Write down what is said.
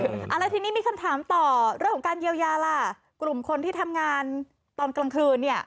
แล้วทีนี้มีคำถามต่อเรื่องของการเยียวยาล่ะกลุ่มคนที่ทำงานตอนกลางคืนเนี่ย